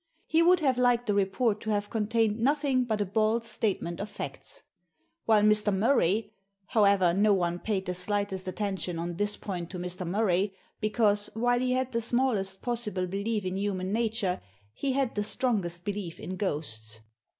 He would have liked the report to have contained nothing but a bald statement of facts. While Mr. Murray — however, no one paid the slightest attention Digitized by VjOOQIC THE PHOTOGRAPHS 41 on this point to Mr. Murray, because, while he had the smallest possible belief in human nature, he had the strongest belief in ghosts.